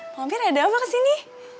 pak amir ada apa kesini